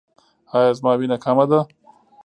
ایا زما وینه کمه ده؟